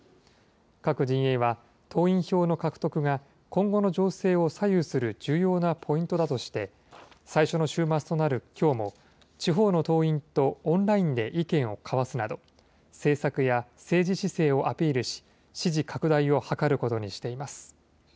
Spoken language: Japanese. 各陣営は、党員票の獲得が、今後の情勢を左右する重要なポイントだとして、最初の週末となるきょうも、地方の党員とオンラインで意見を交わすなど、政策や政治姿勢をアピールし、支持拡大を図ることにしています。